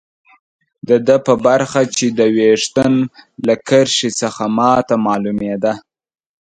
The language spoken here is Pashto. د ده په خبره چې د ویشتن له کرښې څخه ما ته معلومېده.